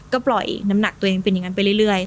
ก็ปล่อยน้ำหนักตัวเองเป็นอย่างนั้นไปเรื่อย